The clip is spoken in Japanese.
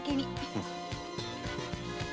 うん。